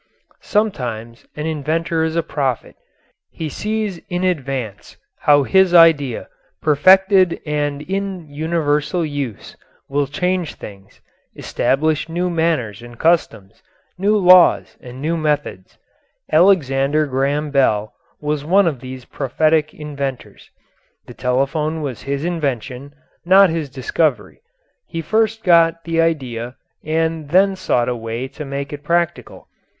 Sometimes an inventor is a prophet: he sees in advance how his idea, perfected and in universal use, will change things, establish new manners and customs, new laws and new methods. Alexander Graham Bell was one of these prophetic inventors the telephone was his invention, not his discovery. He first got the idea and then sought a way to make it practical.